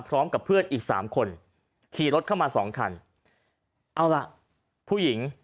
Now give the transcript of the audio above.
พร้อมกับเพื่อนอีกสามคนขี่รถเข้ามาสองคันเอาล่ะผู้หญิง